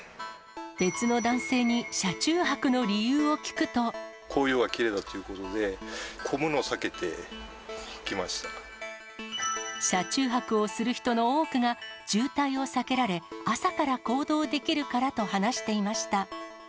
別の男性に車中泊の理由を聞紅葉がきれいだっていうことで、車中泊をする人の多くが、渋滞を避けられ、朝から行動できるからと話していました。